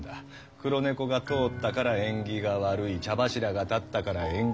黒猫が通ったから縁起が悪い茶柱が立ったから縁起がいい。